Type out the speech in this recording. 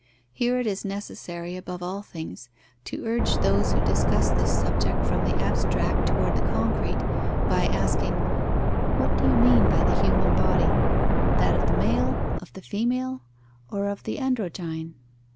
Here it is necessary, above all things, to urge those who discuss this subject from the abstract toward the concrete, by asking: "What do you mean by the human body, that of the male, of the female, or of the androgyne?"